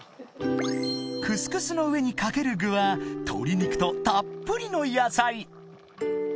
［クスクスの上にかける具は鶏肉とたっぷりの野菜］